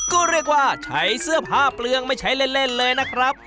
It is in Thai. ก็เรียกว่าใช้เสื้อผ้าเปลืองไม่ใช้เล่นเลยนะครับ